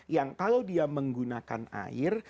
yang kalau dia menggunakan air